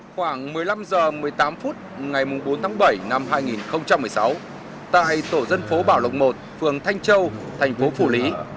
khoảng một mươi năm h một mươi tám phút ngày bốn tháng bảy năm hai nghìn một mươi sáu tại tổ dân phố bảo lộc một phường thanh châu thành phố phủ lý